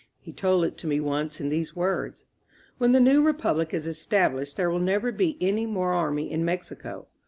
He told it to me once in these words : "When the new Republic is established there will never be any more army in Mexico.